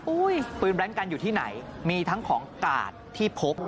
ปืนแบรนดกันอยู่ที่ไหนมีทั้งของกาดที่พบ